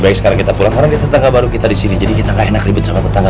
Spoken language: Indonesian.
baik sekarang kita pulang orangnya tetangga baru kita disini jadi kita enak ribet sama tetangga